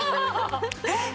えっ？